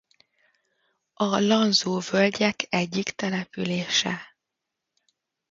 A Lanzo-völgyek egyik települése.